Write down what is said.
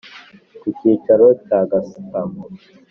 Ku kicaro cya gasutamo.